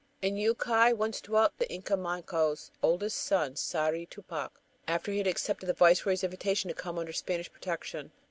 In Yucay once dwelt the Inca Manco's oldest son, Sayri Tupac, after he had accepted the viceroy's invitation to come under Spanish protection.